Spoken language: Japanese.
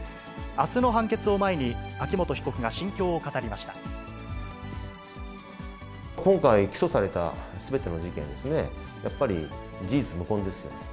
あすの判決を前に、秋元被告が心今回起訴されたすべての事件ですね、やっぱり事実無根ですよ。